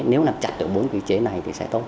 nếu làm chặt được bốn quy chế này